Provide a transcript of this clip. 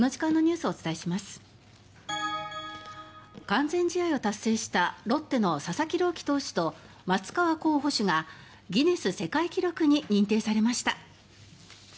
完全試合を達成したロッテの佐々木朗希投手と松川虎生捕手がギネス世界記録に認定されました。